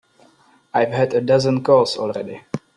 I've had a dozen calls already.